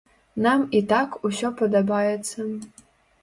Нам і так усё падабаецца.